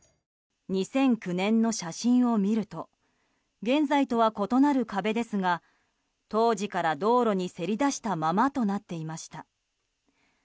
２００９年の写真を見ると現在とは異なる壁ですが当時から道路にせり出したままとなっていました。